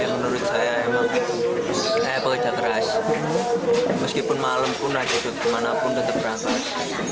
menurut saya saya pekerja keras meskipun malam pun raja kemana pun tetap berangkas